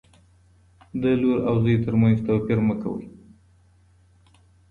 د لور او زوی ترمنځ توپیر مه کوئ.